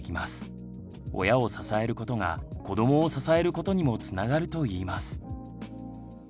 親を支えることが子どもを支えることにもつながるといいます。